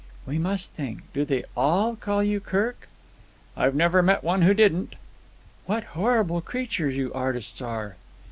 "We must think. Do they all call you Kirk?" "I've never met one who didn't." "What horrible creatures you artists are!"